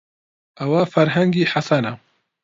ئەوە فەرهەنگی حەسەنە.